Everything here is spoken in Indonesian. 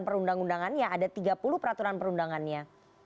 perundang undangannya ada tiga puluh peraturan perundangannya